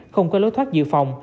không có lối thoát dự phòng